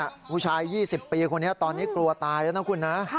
ผู้ชาย๒๐ปีคนนี้ตอนนี้กลัวตายแล้วนะคุณนะ